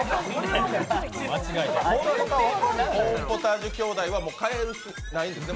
コーンポタージュ兄弟は変える気、ないんですね。